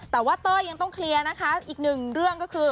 แต่ว่าเต้ยยังต้องเคลียร์นะคะอีกหนึ่งเรื่องก็คือ